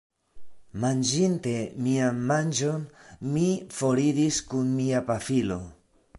Manĝinte mian manĝon, mi foriris kun mia pafilo.